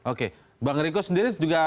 oke bang riko sendiri juga